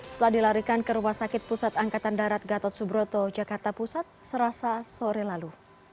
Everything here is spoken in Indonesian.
setelah dilarikan ke rumah sakit pusat angkatan darat gatot subroto jakarta pusat serasa sore lalu